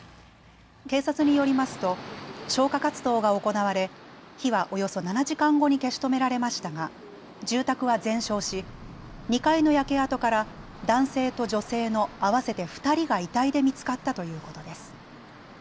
警察によりますと消火活動が行われ火はおよそ７時間後に消し止められましたが住宅は全焼し２階の焼け跡から男性と女性の合わせて２人が遺体で見つかったということです。